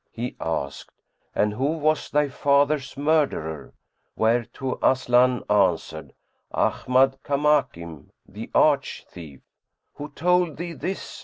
He asked, "And who was thy father's murderer?" whereto Aslan answered, "Ahmad Kamakim the arch thief." "Who told thee this?"